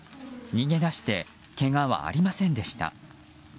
逃げ出してけがはありませんでした。